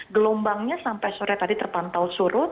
gelombangnya sampai sore tadi terpantau surut